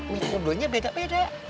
mereka kedua duanya beda beda